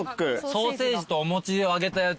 ソーセージとお餅を揚げたやつ。